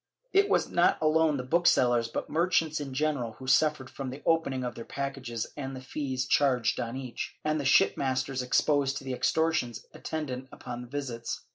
^ It was not alone the booksellers, but merchants in general, who suffered from the opening of their packages and the fees charged on each, and the shipmasters exposed to the extortions attend ant upon the visits.